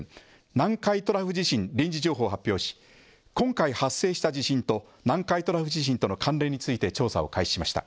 南海トラフ地震臨時情報を発表し今回発生した地震と南海トラフ地震との関連について調査を開始しました」。